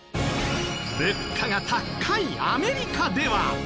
物価が高いアメリカでは。